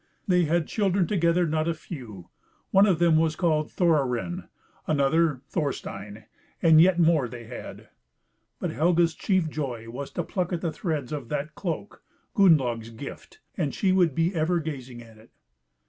They had children together not a few, one of them was called Thorarin, another Thorstein, and yet more they had. But Helga's chief joy was to pluck at the threads of that cloak, Gunnlaug's gift, and she would be ever gazing at it.